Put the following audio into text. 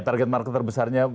target market terbesarnya